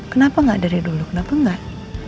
kenapa gak dari dulu kenapa gak